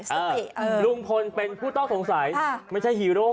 ใช่ลุงพลเป็นผู้ต้องสงสัยไม่ใช่ฮีโร่